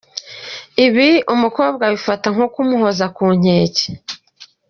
Ibi umukobwa abifata nko kumuhoza ku nkeke.